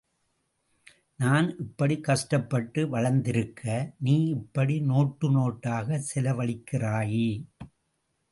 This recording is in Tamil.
நான் இப்படிக் கஷ்டப்பட்டு வளர்ந்திருக்க, நீ இப்படி, நோட்டு நோட்டாகச் செலவழிக்கிறாயே!